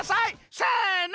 せの！